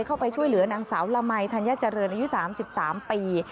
เข้าไปช่วยเหลือนางสาวละมัยธัญเจริญอายุ๓๓ปี